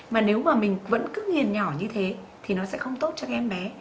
mà nếu mà mình vẫn cứ nghiền nhỏ như thế thì nó sẽ không tốt cho cái em bé